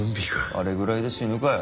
あれぐらいで死ぬかよ。